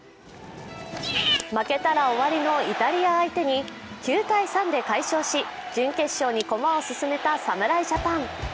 負けたら終わりのイタリア相手に９−３で快勝し準決勝に駒を進めた侍ジャパン。